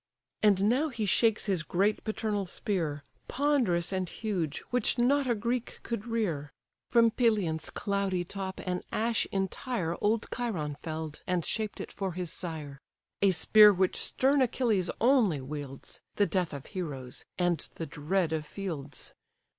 And now he shakes his great paternal spear, Ponderous and huge, which not a Greek could rear, From Pelion's cloudy top an ash entire Old Chiron fell'd, and shaped it for his sire; A spear which stern Achilles only wields, The death of heroes, and the dread of fields.